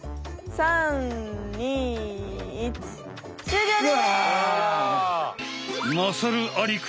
３２１終了です。